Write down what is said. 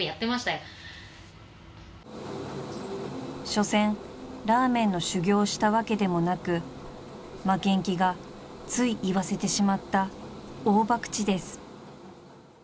［しょせんラーメンの修業をしたわけでもなく負けん気がつい言わせてしまった大ばくちです］